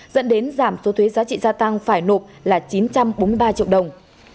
dẫn đến giảm số thuế giá trị gia tăng phải nộp là chín trăm bốn mươi ba triệu đồng